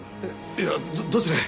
いやどどちらへ？